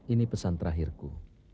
ini pesan terakhirku